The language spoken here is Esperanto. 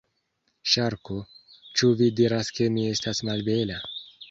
Ŝarko: "Ĉu vi diras ke mi estas malbela?"